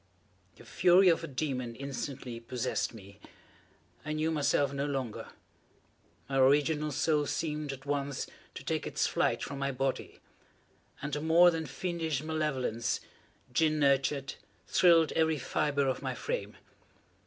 The fury of a demon instantly possessed me. I knew myself no longer. My original soul seemed, at once, to take its flight from my body and a more than fiendish malevolence, gin nurtured, thrilled every fibre of my frame.